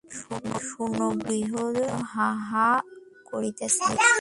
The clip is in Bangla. শূন্য গৃহ যেন হাঁ হাঁ করিতেছে।